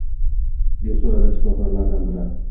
deb so`radi, shifokorlardan biri